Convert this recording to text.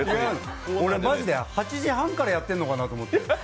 俺、マジで８時半からやってるのかなと思ってた。